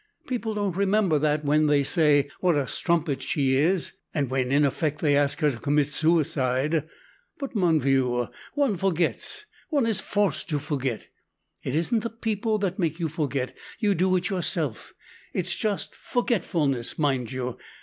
People don't remember that when they say 'What a strumpet she is,' and when, in effect, they ask her to commit suicide. But mon vieux, one forgets. One is forced to forget. It isn't the people that make you forget; you do it yourself; it's just forgetfulness, mind you.